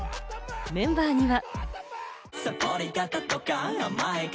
メンバーには。